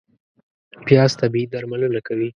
پیاز طبیعي درملنه کوي